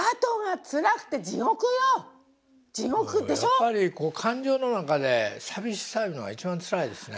やっぱり感情の中で「寂しさ」いうのが一番つらいですね。